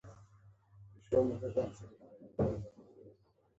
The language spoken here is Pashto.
🦔 ږېږګۍ